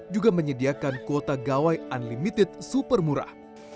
juga menyediakan kuota gawai unlimited super murah